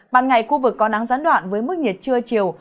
ban ngày khu vực có nắng gián đoạn với mức nhiệt trưa chiều